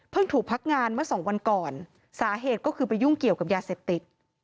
เพิ่งถูกพักงานมา๒วันก่อนสาเหตุก็คือไปยุ่งเกี่ยวกับยาเสพติด